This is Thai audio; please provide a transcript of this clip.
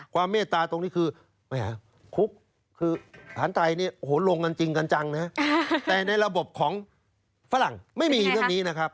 เมตตาตรงนี้คือคุกคือฐานไทยเนี่ยโอ้โหลงกันจริงกันจังนะแต่ในระบบของฝรั่งไม่มีเรื่องนี้นะครับ